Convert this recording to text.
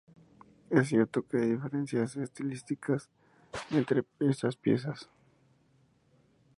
Es cierto que hay diferencias estilísticas entre estas piezas.